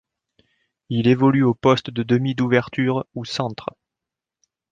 Il évolue au poste de demi d'ouverture ou centre.